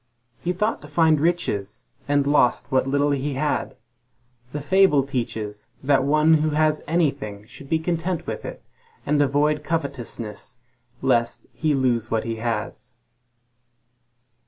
He thought to find riches, and lost the little he had. The fable teaches that one who has anything should be content with it, and avoid covetousness, lest he lose what he has.